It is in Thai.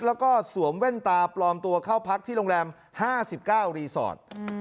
แล้วก็สวมเว้นตาปลอมตัวเข้าพักที่โรงแรมห้าสิบเก้ารีซอร์ตอืม